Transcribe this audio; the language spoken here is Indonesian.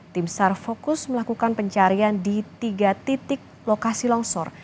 tim sar fokus melakukan pencarian di tiga titik lokasi longsor